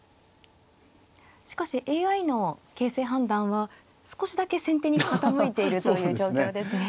しかしＡＩの形勢判断は少しだけ先手に傾いているという状況ですね。